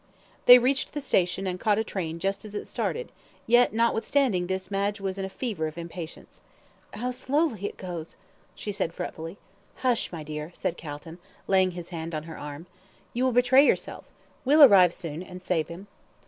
They reached the station, and caught a train just as it started, yet notwithstanding this Madge was in a fever of impatience. "How slowly it goes," she said, fretfully. "Hush, my dear," said Calton, laying his hand on her arm. "You will betray yourself we'll arrive soon and save him."